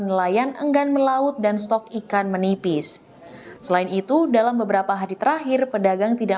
nelayan enggan melaut dan stok ikan menipis selain itu dalam beberapa hari terakhir pedagang tidak